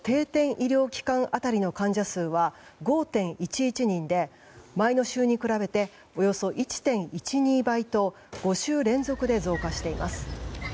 医療機関当たりの患者数は５．１１人で前の週に比べておよそ１．１２倍と５週連続で増加しています。